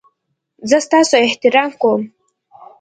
زه ستاسو احترام کوم